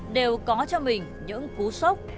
đều có cho mình những cú sốc